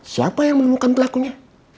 siapa yang memerlukan pelakunya